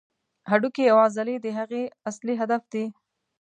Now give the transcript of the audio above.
هډوکي او عضلې د هغې اصلي هدف دي.